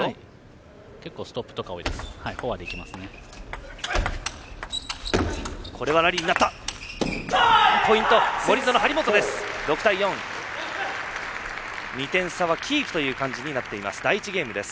結構、ストップとか多いです。